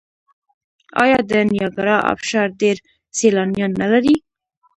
آیا د نیاګرا ابشار ډیر سیلانیان نلري؟